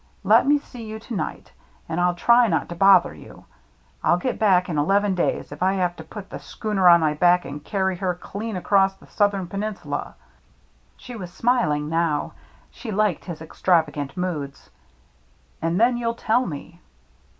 Let me see you to night, and I'll try not to bother you. I'll get back in eleven days, if I have to put the schooner on my back and carry her clean across the Southern Peninsula," — she was smiling now ; she liked his extravagant moods, —" and then you'll tell me."